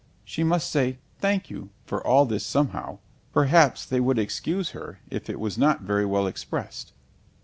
She must say, "Thank you," for all this somehow; perhaps they would excuse her if it was not very well expressed.